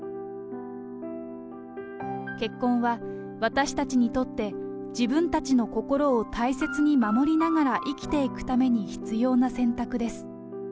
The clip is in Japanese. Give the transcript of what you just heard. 結婚は、私たちにとって、自分たちの心を大切に守りながら生きていくために必要な選択です。